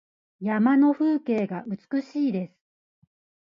山の風景が美しいです。